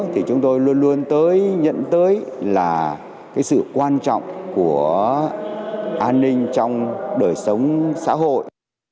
thì chúng tôi luôn luôn nhận tới là cái sự quan trọng của an ninh trong đời sống xã hội